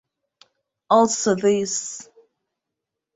Also this.